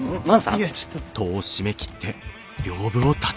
いやちょっと？